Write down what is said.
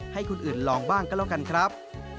ให้คนอื่นลองบ้างก็แล้วกันครับ